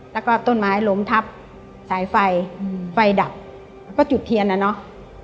แล้วก็ต้นไม้ล้มทับสายไฟไฟดับแล้วก็จุดเทียนน่ะเนอะ